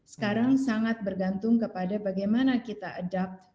sekarang sangat bergantung kepada bagaimana kita adapt